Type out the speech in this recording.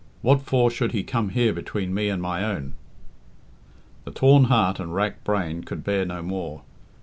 What for should he come here between me and my own?" The torn heart and racked brain could bear no more.